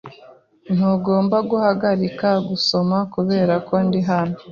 Ntugomba guhagarika gusoma kubera ko ndi hano